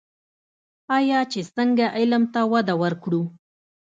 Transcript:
آیا چې څنګه علم ته وده ورکړو؟